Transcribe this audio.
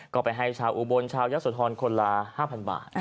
ก็ไปให้ชาวอุบลชาวยะโสธรคนละ๕๐๐บาท